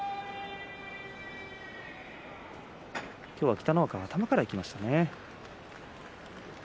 今日は北の若が頭からいきましたね。